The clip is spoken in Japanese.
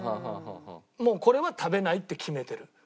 もうこれは食べないって決めてる。